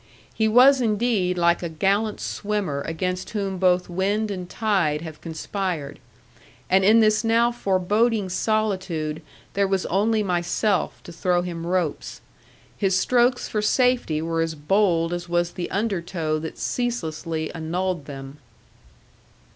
He was indeed like a gallant swimmer against whom both wind and tide have conspired. And in this now foreboding solitude there was only myself to throw him ropes. His strokes for safety were as bold as was the undertow that ceaselessly annulled them.